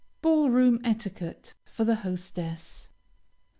BALL ROOM ETIQUETTE. FOR THE HOSTESS.